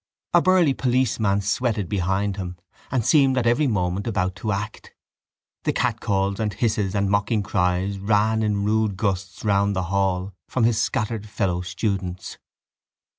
A burly policeman sweated behind him and seemed at every moment about to act. The catcalls and hisses and mocking cries ran in rude gusts round the hall from his scattered fellow students.